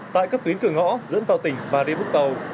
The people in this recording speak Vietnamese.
tại các tuyến cửa ngõ dẫn vào tỉnh bà rịu úng tàu